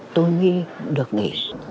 tôi nghĩ được nghỉ